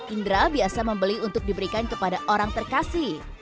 indra biasa membeli untuk diberikan kepada orang terkasih